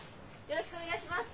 よろしくお願いします。